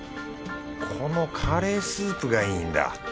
このカレースープがいいんだ。